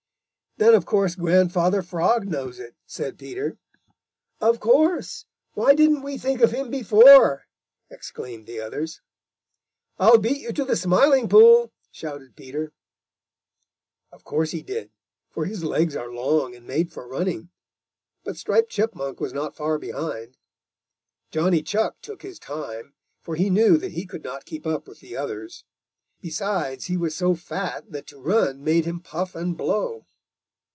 "Then of course Grandfather Frog knows it," said Peter. "Of course! Why didn't we think of him before?" exclaimed the others. "I'll beat you to the Smiling Pool!" shouted Peter. Of course he did, for his legs are long and made for running, but Striped Chipmunk was not far behind. Johnny Chuck took his time, for he knew that he could not keep up with the others. Besides he was so fat that to run made him puff and blow.